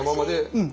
うん。